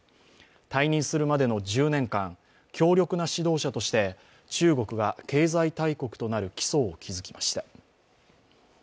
退任するまでの１０年間、強力な指導者として中国が経済大国となる基礎を築きました。